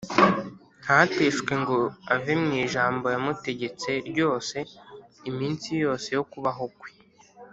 ntateshuke ngo ave mu ijambo yamutegetse ryose iminsi yose yo kubaho kwe